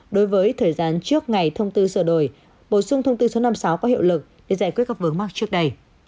đối với thời gian trước ngày thông tư sửa đổi bổ sung thông tư số năm mươi sáu có hiệu lực để giải quyết các vướng mắc trước đây